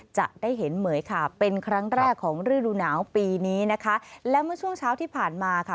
จะได้เห็นเหมือยค่ะเป็นครั้งแรกของฤดูหนาวปีนี้นะคะและเมื่อช่วงเช้าที่ผ่านมาค่ะ